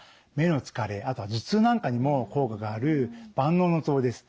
あとは頭痛なんかにも効果がある万能のツボです。